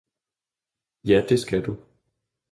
Ja det skal du